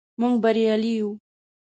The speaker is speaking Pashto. موږ بریالي یو.